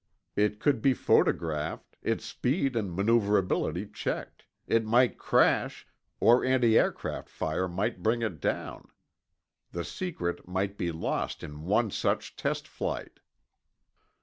It could be photographed, its speed and maneuverability checked; it might crash, or antiaircraft fire might bring it down, The secret might be lost in one such test flight.